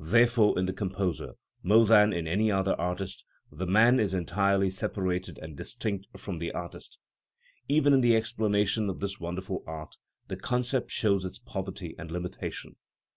Therefore in the composer, more than in any other artist, the man is entirely separated and distinct from the artist. Even in the explanation of this wonderful art, the concept shows its poverty and limitation.